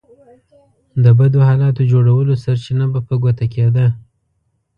د بدو حالاتو جوړولو سرچينه به په ګوته کېده.